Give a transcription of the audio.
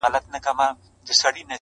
چي شهپر مي تر اسمان لاندي را خپور سي-